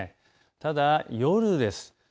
ただ夜です。